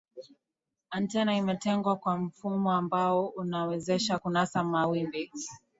antena imetengwa kwa mfumo ambao unaiwezesha kunasa mawimbi